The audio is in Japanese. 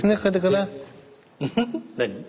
何？